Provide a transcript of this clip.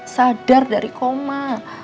sadar dari koma